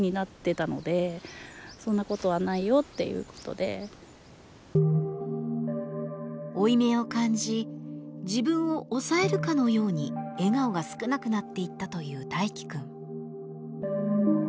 だんだんだんだん負い目を感じ自分を抑えるかのように笑顔が少なくなっていったという大樹くん。